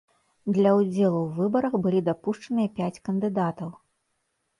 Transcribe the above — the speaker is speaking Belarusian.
Для ўдзелу ў выбарах былі дапушчаныя пяць кандыдатаў.